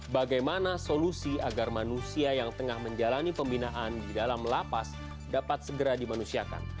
bagaimana solusi agar manusia yang tengah menjalani pembinaan di dalam lapas dapat segera dimanusiakan